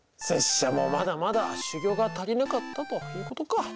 拙者もまだまだ修業が足りなかったということか。